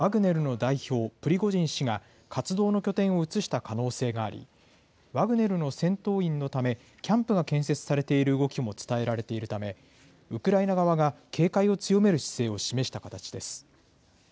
ベラルーシを巡っては、ロシアで武装反乱を起こした民間軍事会社ワグネルの代表、プリゴジン氏が活動の拠点を移した可能性があり、ワグネルの戦闘員のため、キャンプが建設されている動きも伝えられているため、ウクライナ側が警戒を強める姿勢を示した形です。